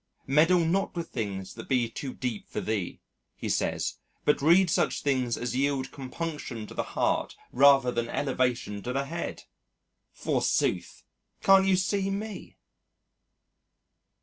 "Meddle not with things that be too deep for thee," he says, "but read such things as yield compunction to the heart rather than elevation to the head." Forsooth! Can't you see me?